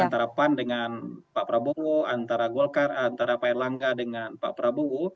antara pan dengan pak prabowo antara golkar antara pak erlangga dengan pak prabowo